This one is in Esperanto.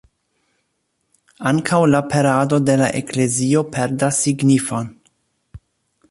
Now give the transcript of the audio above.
Ankaŭ la perado de la Eklezio perdas signifon.